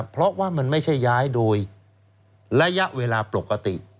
เพราะว่ามันไม่ใช่ย้ายโดยระยะเวลาปกติ